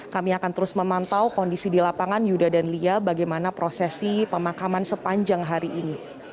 kami akan terus memantau kondisi di lapangan yuda dan lia bagaimana prosesi pemakaman sepanjang hari ini